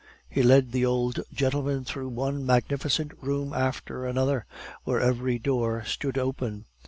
He led the old gentleman through one magnificent room after another, where every door stood open.